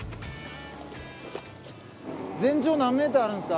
全長何メートルあるんですか？